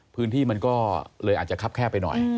พื้นที่มันก็เลยอาจจะคับแคบไปหน่อย